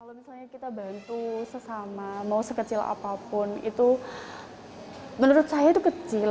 kalau misalnya kita bantu sesama mau sekecil apapun itu menurut saya itu kecil